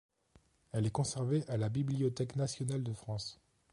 Elle est conservée à la Bibliothèque nationale de France.